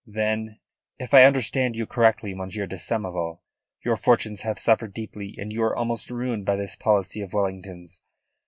Then: "If I understand you correctly, Monsieur de Samoval, your fortunes have suffered deeply, and you are almost ruined by this policy of Wellington's.